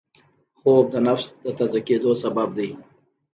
خوب د نفس د تازه کېدو سبب دی